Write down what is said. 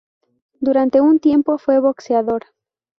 Durante un tiempo, fue boxeador.